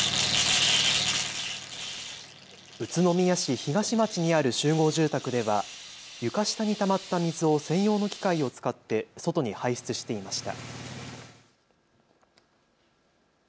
宇都宮市東町にある集合住宅では床下にたまった水を専用の機械を使って外に排出していました。